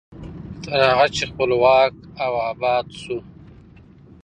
تر هغه چې خپلواک او اباد شو.